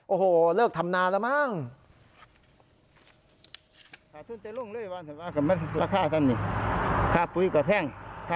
โอ้โหเลิกทำนานแล้วมั้ง